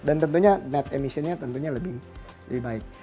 dan tentunya net emissionnya lebih baik